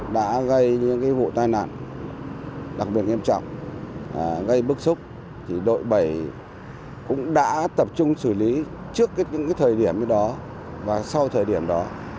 đã gây những vụ tai nạn đặc biệt nghiêm trọng gây bức xúc đội bảy cũng đã tập trung xử lý trước những thời điểm đó và sau thời điểm đó